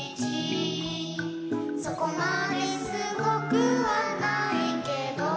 「そこまですごくはないけど」